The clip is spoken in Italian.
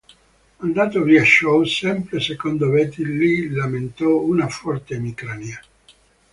Andato via Chow, sempre secondo Betty, Lee lamentò una forte emicrania.